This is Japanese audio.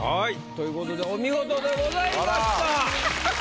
ということでお見事でございました。